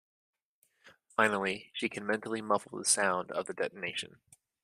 Finally, she can mentally muffle the sound of the detonation.